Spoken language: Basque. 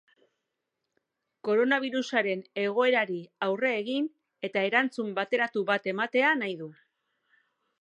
Koronabirusaren egoerari aurre egin eta erantzun bateratu bat ematea nahi du.